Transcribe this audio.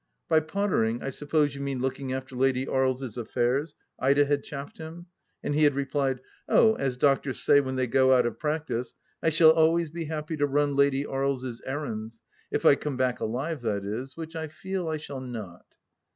" By pottering I suppose you mean looking after Lady Aries' affairs ?" Ida had chaffed him, and he had replied :" Oh, as doctors say when they go out of practice, I shall always be happy to run Lady Aries' errands — if I come back alive, that is, which I feel I shall not."